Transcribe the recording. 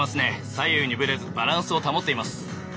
左右にぶれずバランスを保っています。